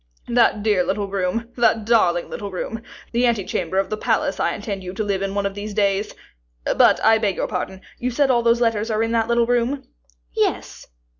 "That dear little room, that darling little room, the ante chamber of the palace I intend you to live in one of these days. But, I beg your pardon, you said that all those letters are in that little room?" "Yes."